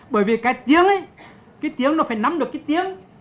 bởi vì cái tiếng ấy cái tiếng nó phải nắm được cái tiếng